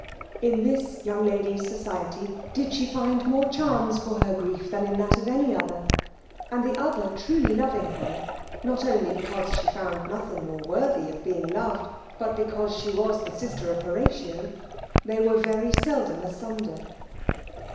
In this young lady's society did she find more charms for her grief than in that of any other; and the other truly loving her, not only because she found nothing more worthy of being loved, but because she was the sister of Horatio, they were very seldom asunder.